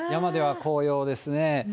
山では紅葉ですね。